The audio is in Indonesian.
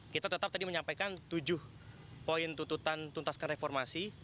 kita tetap tadi menyampaikan tujuh poin tuntutan tuntaskan reformasi